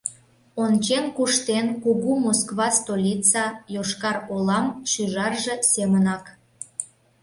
Ончен куштен кугу Москва-столица Йошкар-Олам шӱжарже семынак.